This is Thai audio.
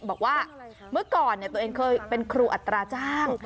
บอกว่าเมื่อก่อนตัวเองเคยเป็นครูอัตราจ้าง